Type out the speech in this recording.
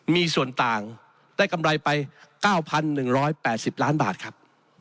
มีส่วนต่างได้กำไรไป๙๑๘๐ล้านบาทครับ